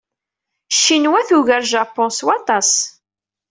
Ccinwa tugar Japun s waṭas.